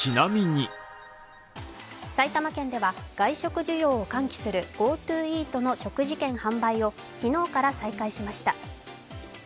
埼玉県では外食需要を喚起するＧｏＴｏイートの食事券販売を昨日から再開しました。